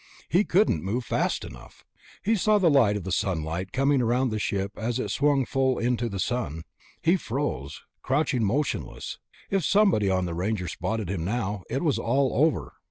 He couldn't move fast enough. He saw the line of sunlight coming around the ship as it swung full into the sun. He froze, crouching motionless. If somebody on the Ranger spotted him now, it was all over.